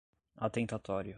atentatório